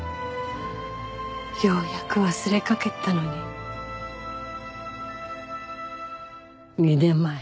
ようやく忘れかけてたのに２年前。